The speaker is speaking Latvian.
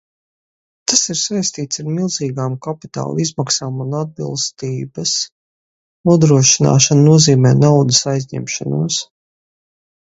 Tas ir saistīs ar milzīgām kapitāla izmaksām, un atbilstības nodrošināšana nozīmē naudas aizņemšanos.